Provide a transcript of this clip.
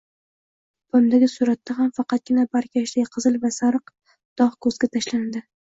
Tepamdagi suratda ham faqatgina barkashday qizil va sariq dog` ko`zga tashlandi